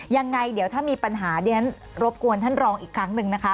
ยังไงเดี๋ยวถ้ามีปัญหาเดี๋ยวฉันรบกวนท่านรองอีกครั้งหนึ่งนะคะ